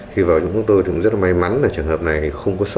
khi vào chỗ của tôi thì cũng rất là may mắn